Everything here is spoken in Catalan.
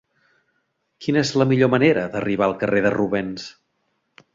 Quina és la millor manera d'arribar al carrer de Rubens?